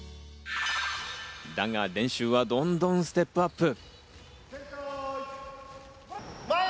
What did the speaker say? だが練習はどんどんステップアップ。